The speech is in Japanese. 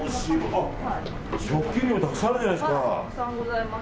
あ、食器類もたくさんあるじゃないですか。